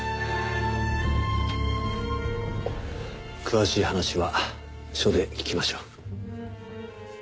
詳しい話は署で聞きましょう。